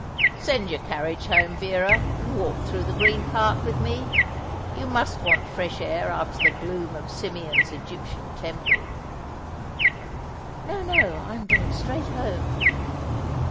"Send your carriage home, Vera, and walk through the Green Park with me. You must want fresh air after the gloom of Symeon's Egyptian temple." "No, no. I am going straight home."